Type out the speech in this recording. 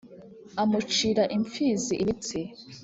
amucira imfizi ibitsi